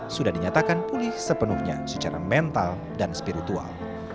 sudah dinyatakan pulih sepenuhnya secara mental dan spiritual